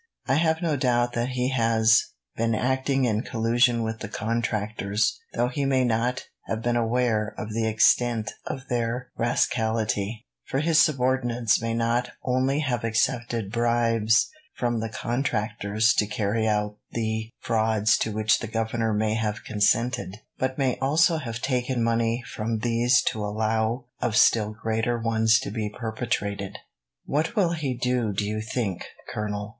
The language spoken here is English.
I have no doubt that he has been acting in collusion with the contractors, though he may not have been aware of the extent of their rascality, for his subordinates may not only have accepted bribes from the contractors to carry out the frauds to which the governor may have consented, but may also have taken money from these to allow of still greater ones to be perpetrated." "What will he do, do you think, Colonel?"